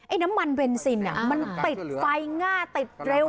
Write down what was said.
น้ำมันเบนซินมันติดไฟง่าติดเร็ว